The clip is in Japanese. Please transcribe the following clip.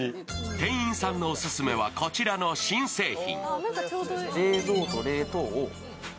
店員さんのオススメはこちらの新製品。